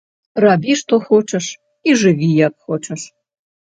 Рабі што хочаш і жыві як хочаш.